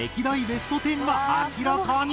ベスト１０が明らかに！